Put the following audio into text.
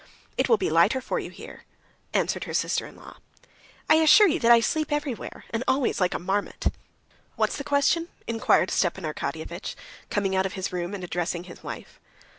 "It will be lighter for you here," answered her sister in law. "I assure you that I sleep everywhere, and always like a marmot." "What's the question?" inquired Stepan Arkadyevitch, coming out of his room and addressing his wife.